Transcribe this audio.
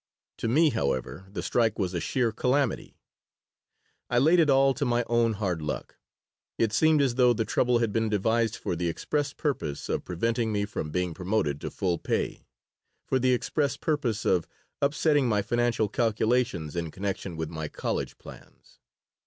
To me, however, the strike was a sheer calamity. I laid it all to my own hard luck. It seemed as though the trouble had been devised for the express purpose of preventing me from being promoted to full pay; for the express purpose of upsetting my financial calculations in connection with my college plans.